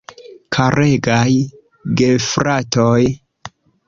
Karegaj gefrafoj!